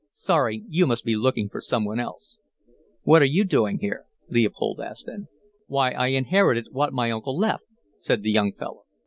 'Sorry, you must be looking for someone else.' "'What're you doing here?' Leopold asked then. "'Why, I inherited what my uncle left,' said the young fellow.